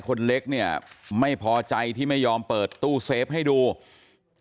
ผมเป็นเพียงตัวกลางประสานให้คุณพ่อ